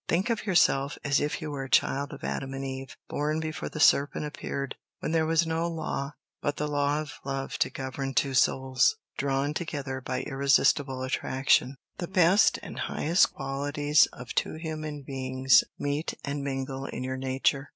Think of yourself as if you were a child of Adam and Eve, born before the serpent appeared, when there was no law but the law of love to govern two souls, drawn together by irresistible attraction. The best and highest qualities of two human beings meet and mingle in your nature.